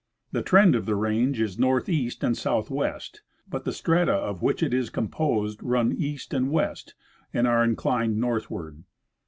The trend of the range is northeast and south west, but the strata of which it is composed run east and Avest and are inclined northward.